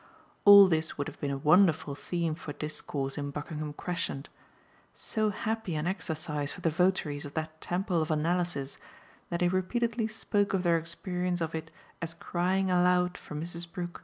All this would have been a wonderful theme for discourse in Buckingham Crescent so happy an exercise for the votaries of that temple of analysis that he repeatedly spoke of their experience of it as crying aloud for Mrs. Brook.